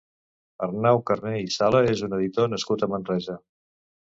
Arnau Carné i Sala és un editor nascut a Manresa.